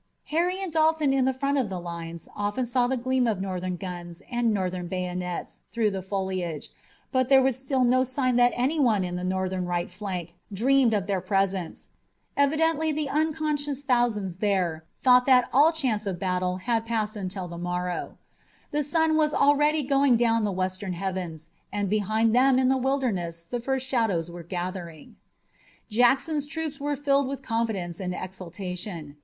Harry and Dalton in the front of the lines often saw the gleam of Northern guns and Northern bayonets through the foliage, but there was still no sign that anyone in the Northern right flank dreamed of their presence. Evidently the unconscious thousands there thought that all chance of battle had passed until the morrow. The sun was already going down the western heavens, and behind them in the Wilderness the first shadows were gathering. Jackson's troops were filled with confidence and exultation.